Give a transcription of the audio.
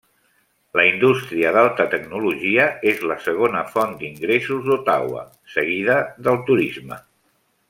La indústria d'alta tecnologia és la segona font d'ingressos d'Ottawa, seguida del turisme.